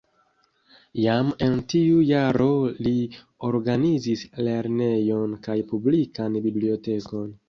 Jam en tiu jaro li organizis lernejon kaj publikan bibliotekon.